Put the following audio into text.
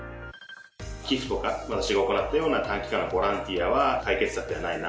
寄付とか私が行ったような短期間のボランティアは解決策ではないな。